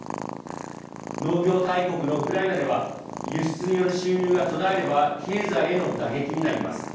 農業大国のウクライナでは輸出による収入が途絶えれば経済への打撃になります。